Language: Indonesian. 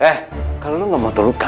eh kalau lo gak mau terluka